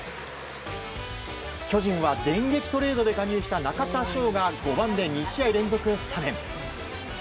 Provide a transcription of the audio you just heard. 巨人は電撃トレードで加入した中田翔が５番で２試合連続スタメン。